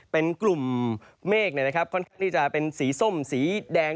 เป็นกลุ่มเมฆค่อนข้างที่จะเป็นสีส้มสีแดง